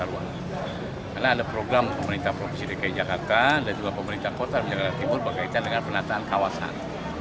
karena ada program pemerintah provinsi dki jakarta dan juga pemerintah kota jakarta tibur berkaitan dengan penataan kawasan